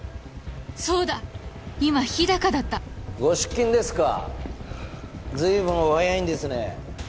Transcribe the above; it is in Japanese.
そうだ今日高だったご出勤ですかずいぶんお早いんですね